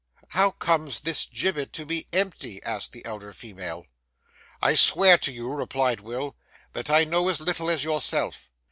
'How comes this gibbet to be empty?' asked the elder female. 'I swear to you,' replied Will, 'that I know as little as yourself.